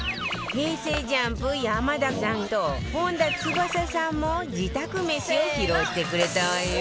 ＪＵＭＰ 山田さんと本田翼さんも自宅メシを披露してくれたわよ